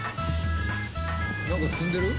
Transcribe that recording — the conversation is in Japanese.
何か積んでる？